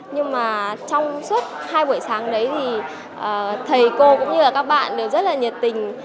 nhưng mà trong suốt hai buổi sáng đấy thì thầy cô cũng như là các bạn đều rất là nhiệt tình